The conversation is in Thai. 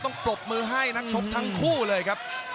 ปรบมือให้นักชกทั้งคู่เลยครับ